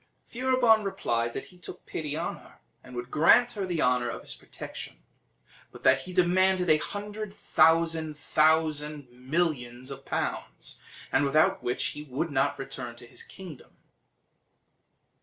Furibon replied that he took pity on her, and would grant her the honour of his protection; but that he demanded a hundred thousand thousand millions of pounds, and without which he would not return to his kingdom.